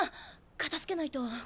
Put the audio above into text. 片づけないと。